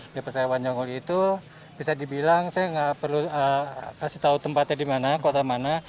di pesayawan janggul itu bisa dibilang saya nggak perlu kasih tahu tempatnya di mana kota mana